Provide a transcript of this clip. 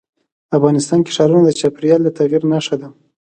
افغانستان کې ښارونه د چاپېریال د تغیر نښه ده.